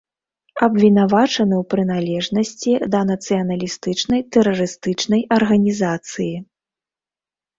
Абвінавачаны ў прыналежнасці да нацыяналістычнай тэрарыстычнай арганізацыі.